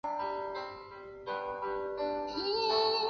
弗里堡州在这附近也拥有三块位于沃州境内的飞地。